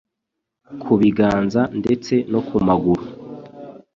ku biganza ndetse no kumaguru